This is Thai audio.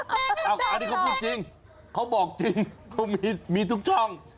อันนี้เขาพูดจริงเขาบอกจริงเขามีทุกช่อง